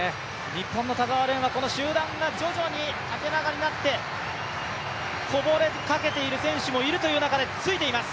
日本の田澤廉はこの集団が徐々に縦長になってこぼれかけている選手もいるという中で、ついています。